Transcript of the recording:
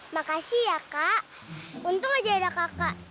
makasih ya kak untung aja ada kakak